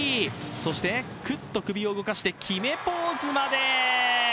そしてクッと首を動かして決めポーズまで。